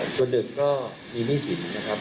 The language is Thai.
ส่วนดึกก็มีนิสินนะครับ